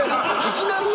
いきなり！？